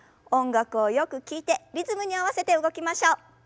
音楽をよく聞いてリズムに合わせて動きましょう。